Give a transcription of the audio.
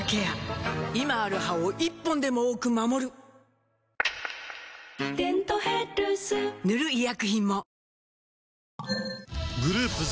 今ある歯を１本でも多く守る「デントヘルス」塗る医薬品も